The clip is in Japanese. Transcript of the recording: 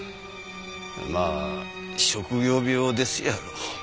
まあ職業病ですやろ。